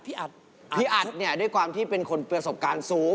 พี่อัดเนี่ยด้วยความที่เป็นคนประสบการณ์สูง